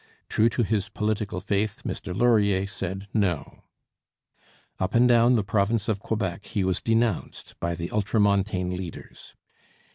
True to his political faith, Mr Laurier said No. Up and down the province of Quebec he was denounced by the ultramontane leaders.